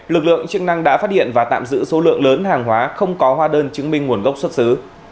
lực lượng chức năng đã phát hiện và tạm giữ số lượng lớn hàng hóa không có hoa đơn chứng minh nguồn gốc xuất xứ